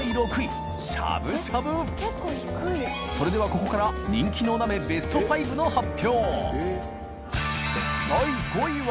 ここから人気のお鍋ベスト５の発表